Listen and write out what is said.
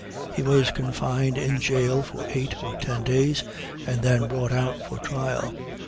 He was confined in jail for eight or ten days, and then brought out for trial.